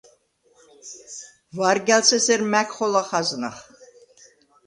ვარგა̈ლს ესერ მა̈გ ხოლა ხაზნახ;